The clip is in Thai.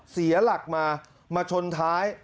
เสียหลักมามาชนท้าย